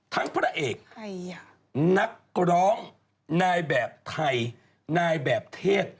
พระเอกนักร้องนายแบบไทยนายแบบเทศ